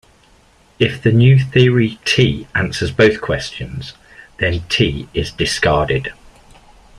If the new theory T' answers both questions then T is discarded.